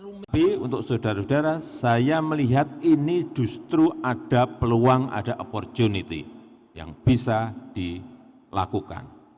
tapi untuk saudara saudara saya melihat ini justru ada peluang ada opportunity yang bisa dilakukan